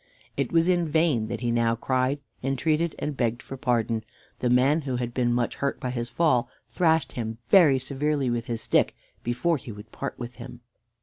It was in vain that he now cried, entreated, and begged for pardon; the man, who had been much hurt by his fall, thrashed him very severely with his stick before he would part with him.